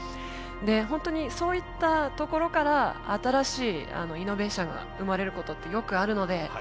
でホントにそういったところから新しいイノベーションが生まれることってよくあるので。